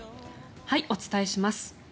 お伝えします。